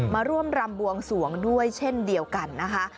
มาร่วมรำบวงสวงด้วยเช่นเดียวกันนะคะ